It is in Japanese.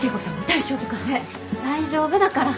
大丈夫だから。